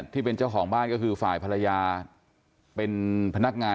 ที่เป็นเจ้าของบ้านก็คือฝ่ายภรรยาเป็นพนักงาน